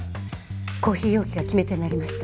コーヒー容器が決め手になりました。